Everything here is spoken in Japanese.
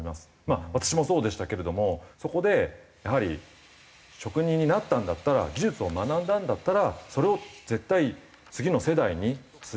私もそうでしたけれどもそこでやはり職人になったんだったら技術を学んだんだったらそれを絶対次の世代に継いでいく覚悟。